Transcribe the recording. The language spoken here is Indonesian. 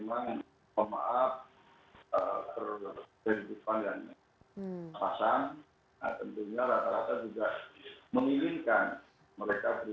pasal tentunya rata rata juga memilinkan mereka berubah nasibnya